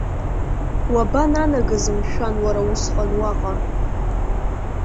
Уабананагаз, мшәан, уара усҟан уаҟа?